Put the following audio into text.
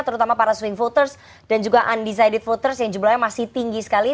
terutama para swing voters dan juga undecided voters yang jumlahnya masih tinggi sekali